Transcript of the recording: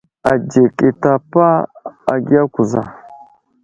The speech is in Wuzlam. Adzik i tapa agiya kuza.